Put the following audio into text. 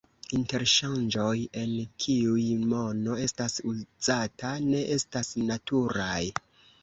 Interŝanĝoj, en kiuj mono estas uzata, ne estas naturaj.